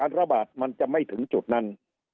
ระบาดมันจะไม่ถึงจุดนั้น